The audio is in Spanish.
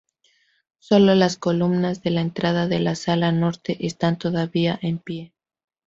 Sólo las columnas de la entrada de la sala norte están todavía en pie.